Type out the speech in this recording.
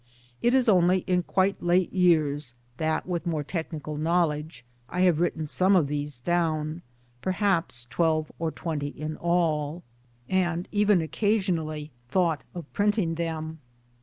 It is only in quite late years that, with more technical knowledge, I have written some of these down perhaps twelve or twenty, in all and even occasionally thought of printing them.